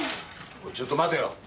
おいちょっと待てよ。